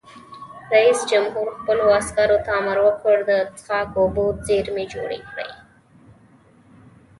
رئیس جمهور خپلو عسکرو ته امر وکړ؛ د څښاک اوبو زیرمې جوړې کړئ!